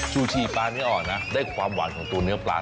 ชูชีปลาเนื้ออ่อนนะได้ความหวานของตัวเนื้อปลา